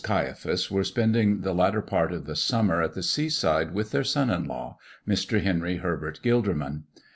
CAIAPHAS were spending the latter part of the summer at the sea side with their son in law, Mr. Henry Herbert Gilderman.